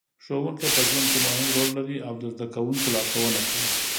ښوونکې په ژوند کې مهم رول لري او د زده کوونکو لارښوونه کوي.